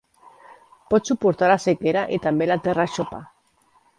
Pot suportar la sequera i també la terra xopa.